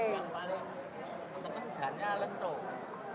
yang paling kencangnya lentuk